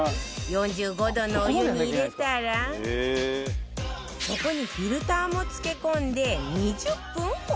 ４５度のお湯に入れたらそこにフィルターも漬け込んで２０分放置